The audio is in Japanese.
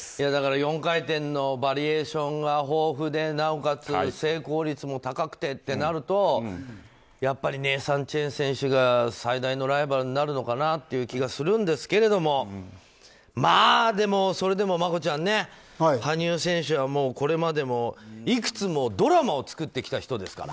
４回転のバリエーションが豊富で、なおかつ成功率も高くてってなるとやっぱりネイサン・チェン選手が最大のライバルになるのかなという気がするんですけどまあそれでもマコちゃん羽生選手はこれまでもいくつもドラマを作ってきた人ですから。